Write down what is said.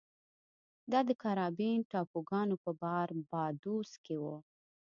دا د کارابین ټاپوګانو په باربادوس کې و.